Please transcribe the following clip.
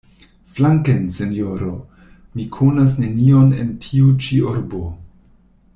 Flanken, sinjoro! Mi konas neniun en tiu ĉi urbo.